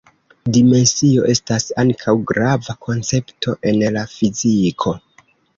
Dimensio estas ankaŭ grava koncepto en la fiziko.